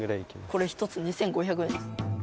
これ１つ２５００円です